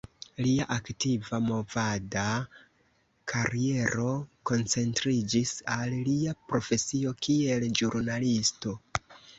Lia aktiva movada kariero koncentriĝis al lia profesio kiel ĵurnalisto.